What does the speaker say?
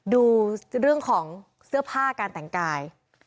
ดูเรื่องของเสื้อผ้าการแต่งกาย